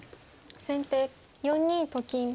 先手４二と金。